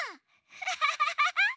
ハハハハハ！